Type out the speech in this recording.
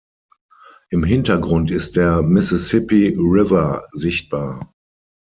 Im Hintergrund ist der Mississippi River sichtbar.